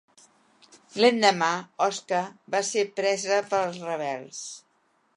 L'endemà Osca va ser presa pels rebels.